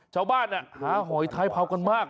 ชาวบ้านหาหอยท้ายเผากันมาก